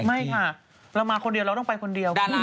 ไม่ค่ะเรามาคนเดียวเราต้องไปคนเดียว